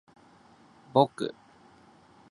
ぼく